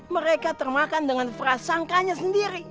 mereka termakan dengan prasangkanya sendiri